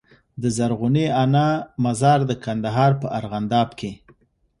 د زرغونې انا مزار د کندهار په ارغنداب کي